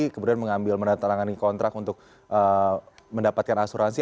kemudian mengambil menandatangani kontrak untuk mendapatkan asuransi